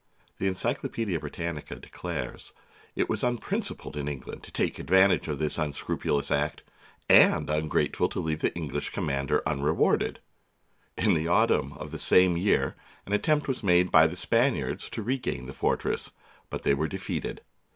The Encyclo paedia Britannica declares it was unprincipled in England to take advantage of this unscrupulous act, and ungrateful to leave the English com mander unrewarded! In the autumn of the same year an attempt was made by the Spaniards to re gain the fortress, but they were defeated.